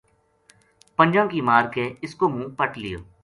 پنجاں کی مار کے اس کو منہ پَٹ لیو